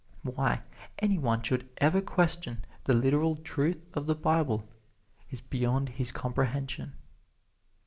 Why any one should ever question the literal truth of the Bible is beyond his comprehension.